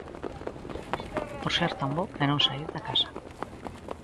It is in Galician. Por ser tan bo e non saír da casa.